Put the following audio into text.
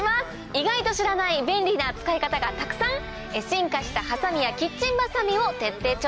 意外と知らない便利な使い方がたくさん⁉進化したハサミやキッチンバサミを徹底調査。